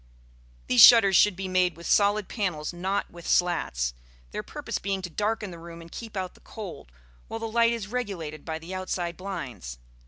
These shutters should be made with solid panels, not with slats, their purpose being to darken the room and keep out the cold, while the light is regulated by the outside blinds.